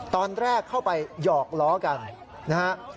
ตอนแรกเข้าไปหยอกล้อกันนะฮะ